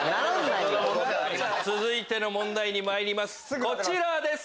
続いての問題にまいりますこちらです！